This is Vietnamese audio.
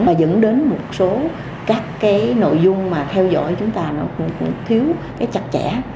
và dẫn đến một số các cái nội dung mà theo dõi chúng ta cũng thiếu cái chặt chẽ